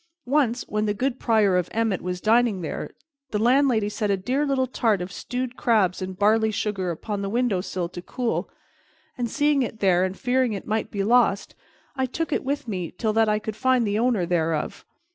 Once, when the good Prior of Emmet was dining there, the landlady set a dear little tart of stewed crabs and barley sugar upon the window sill to cool, and, seeing it there, and fearing it might be lost, I took it with me till that I could find the owner thereof.